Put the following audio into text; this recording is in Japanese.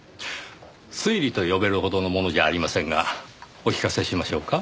推理と呼べるほどのものじゃありませんがお聞かせしましょうか？